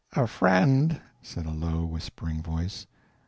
"A friend," said a low, whispering voice.